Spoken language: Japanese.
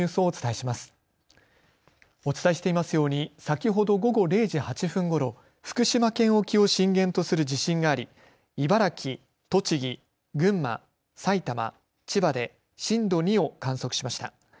お伝えしていますように先ほど午後０時８分ごろ福島県沖を震源とする地震があり、茨城、栃木、群馬、埼玉、千葉で震度２を観測しました。